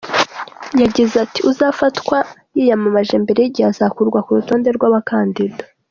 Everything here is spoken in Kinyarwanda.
Yagize ati "uzafatwa yiyamamaje mbere y’igihe azakurwa ku rutonde rw’abakandida.